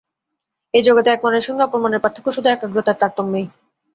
এই জগতে এক মনের সঙ্গে অপর মনের পার্থক্য শুধু একাগ্রতার তারতম্যেই।